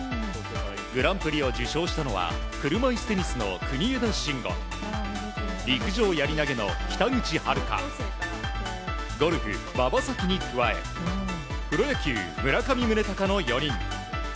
グランプリを受賞したのは車いすテニスの国枝慎吾陸上やり投げの北口榛花ゴルフ、馬場咲希に加えプロ野球、村上宗隆の４人。